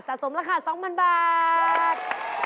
สมราคา๒๐๐๐บาท